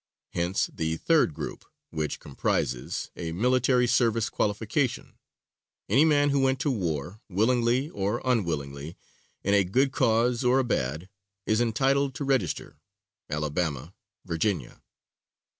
Hence, the third group, which comprises: a military service qualification any man who went to war, willingly or unwillingly, in a good cause or a bad, is entitled to register (Ala., Va.)